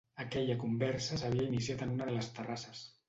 Aquella conversa s’havia iniciat en una de les terrasses.